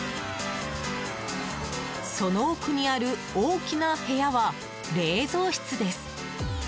その奥にある大きな部屋は冷蔵室です。